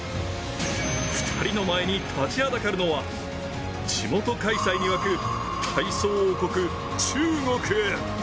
２人の前に立ちはだかるのは、地元開催に沸く、体操王国・中国。